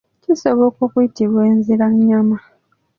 Kisobola okuyitibwa enziranyama.